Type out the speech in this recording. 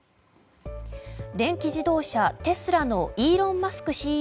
電気自動車テスラのイーロン・マスク